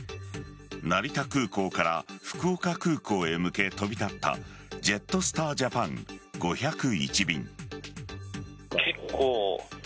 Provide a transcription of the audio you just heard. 成田空港から福岡空港へ向け飛び立ったジェットスター・ジャパン５０１便。